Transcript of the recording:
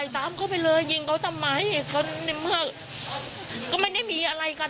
ตามเขาไปเลยยิงเขาทำไมเขาไม่มีอะไรกัน